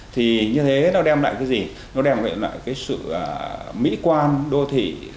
thì như thế nó đem lại cái gì nó đem lại cái sự mỹ quan đô thị